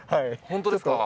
本当ですか？